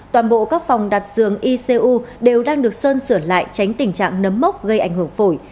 toàn bộ các phòng đặt dường icu đều đang được sơn sửa lại tránh tình trạng nấm mốc gây ảnh hưởng phổi